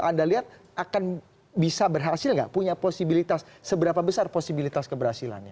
anda lihat akan bisa berhasil nggak punya posibilitas seberapa besar posibilitas keberhasilannya